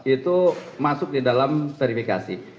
itu masuk di dalam verifikasi